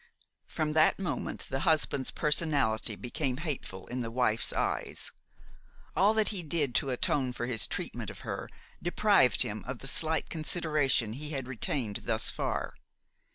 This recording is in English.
From that moment, the husband's personality became hateful in the wife's eyes. All that he did to atone for his treatment of her deprived him of the slight consideration he had retained thus far.